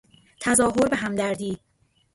تظاهر به همدردی